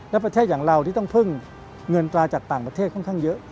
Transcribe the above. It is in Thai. และประเทศอย่างเราที่ต้องพึ่งเงินตราจากต่างประเทศค่อนข้างเยอะ